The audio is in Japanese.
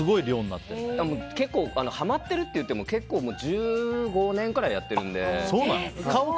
結構、ハマっているといっても１５年くらいやっているので。